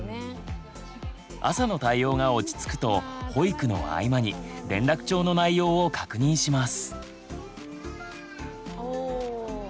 朝の対応が落ち着くと保育の合間に連絡帳の内容を確認します。